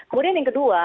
kemudian yang kedua